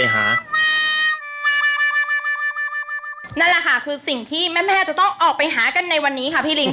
นั่นแหละค่ะคือสิ่งที่แม่จะต้องออกไปหากันในวันนี้ค่ะพี่ลิง